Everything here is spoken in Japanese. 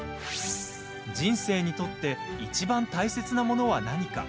人生にとっていちばん大切なものは何か。